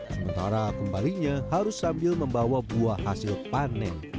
sementara kembalinya harus sambil membawa buah hasil panen